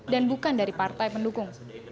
dan bukan dari partai pendukung